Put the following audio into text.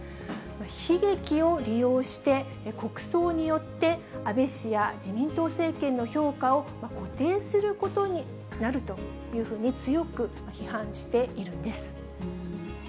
悲劇を利用して、国葬によって安倍氏や自民党政権の評価を固定することになるというふうに、強く批判しているんです。